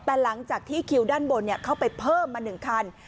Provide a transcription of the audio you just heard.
แต่หลังจากที่คิวด้านบนเข้าไปเพิ่มมา๑คัน